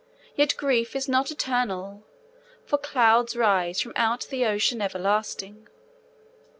Yet grief is not eternal, for clouds rise From out the ocean everlastingly.